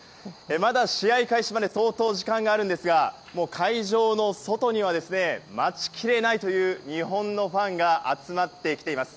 まだ試合開始まで相当時間があるんですが会場の外には待ちきれないという日本のファンが集まってきています。